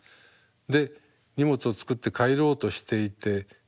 で荷物を作って帰ろうとしていて「ちょっと待って。